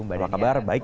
apa kabar baik